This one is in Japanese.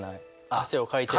汗をかいてる。